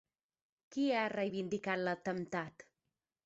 Qui ha reivindicat l'atemptat?